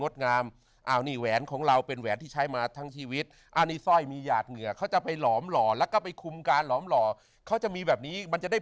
ดวงและมาตั้งมาตั้งหรือว่าเออสร้างไป